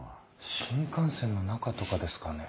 新幹線の中とかですかね？